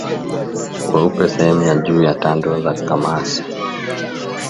Weupe sehemu ya juu ya tando za kamasi